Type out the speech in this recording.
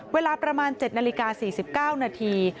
เวลาประมาณ๗นาฬิกา๔๙นาที